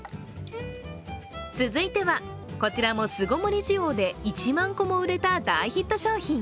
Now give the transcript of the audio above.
続いては、こちらも巣ごもり需要で１万個も売れた大ヒット商品。